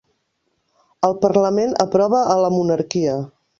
El parlament aprova a la monarquia